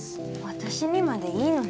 私にまでいいのに。